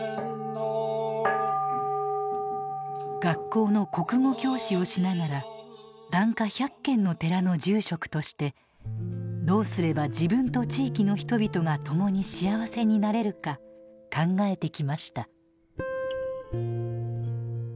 学校の国語教師をしながら檀家１００軒の寺の住職としてどうすれば自分と地域の人々が共に幸せになれるか考えてきました。